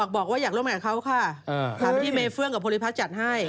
บอกว่าอยากลบมากับเขาค่ะ